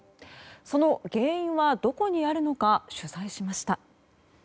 その原因はどこにあるのか取材しました。